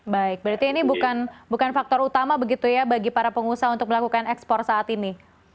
baik berarti ini bukan faktor utama begitu ya bagi para pengusaha untuk melakukan ekspor saat ini